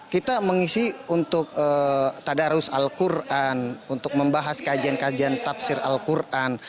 kita mengisi untuk tadarus al quran untuk membahas kajian kajian tafsir al quran